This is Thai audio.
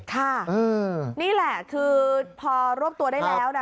ค่ะนี่แหละคือพอรวบตัวได้แล้วนะ